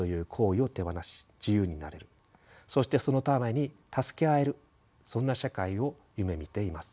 そしてそのために助け合えるそんな社会を夢みています。